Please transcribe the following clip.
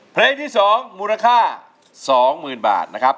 เพลงที่๒มูลค่า๒๐๐๐บาทนะครับ